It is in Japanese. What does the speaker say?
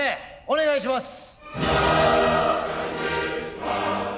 お願いします。